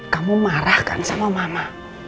kamu marah kan sama mama